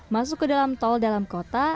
masuk ke dalam tol dalam kota